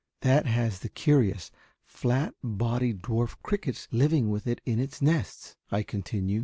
"That has the curious, flat bodied dwarf crickets living with it in its nests," I continue.